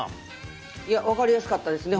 分かりやすかったですね